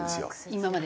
今まで？